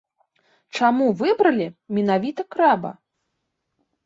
Чаму выбралі менавіта краба?